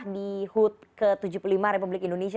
di hut ke tujuh puluh lima republik indonesia